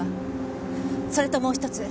それともう１つ。